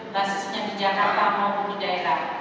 basisnya di jakarta maupun di daerah